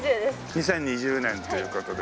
２０２０年という事でね。